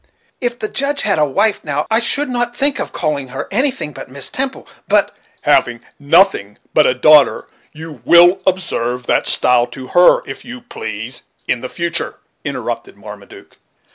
If the Judge had a wife now, I shouldn't think of calling her anything but Miss Temple; but " "Having nothing but a daughter you will observe that style to her, if you please, in future," interrupted Marmaduke.